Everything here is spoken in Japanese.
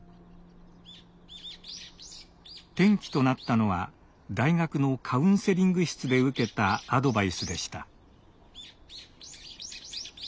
転機となったのは大学のカウンセリング室で受けたアドバイスでした。